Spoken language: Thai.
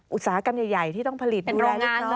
อุตสาหกรรมใหญ่ที่ต้องผลิตดูแลนิดนึง